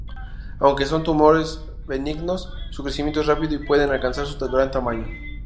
Aunque son tumores benignos, su crecimiento es rápido y pueden alcanzar un gran tamaño.